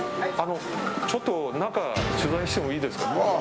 ちょっと中取材してもいいですか。